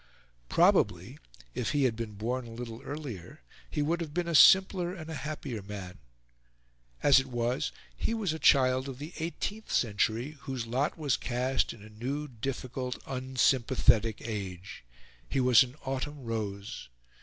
Probably, if he had been born a little earlier, he would have been a simpler and a happier man. As it was, he was a child of the eighteenth century whose lot was cast in a new, difficult, unsympathetic age. He was an autumn rose.